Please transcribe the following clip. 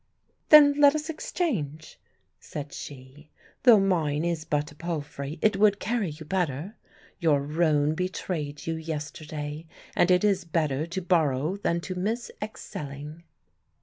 "Then let us exchange," said she. "Though mine is but a palfrey, it would carry you better. Your roan betrayed you yesterday, and it is better to borrow than to miss excelling."